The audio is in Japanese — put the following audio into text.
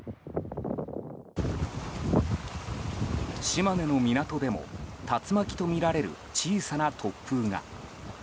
島根の港でも竜巻とみられる小さな突風が。